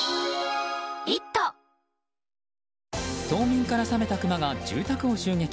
冬眠から覚めたクマが住宅を襲撃。